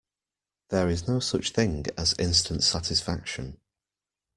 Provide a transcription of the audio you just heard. There is no such thing as instant satisfaction.